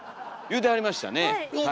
言うてはりました。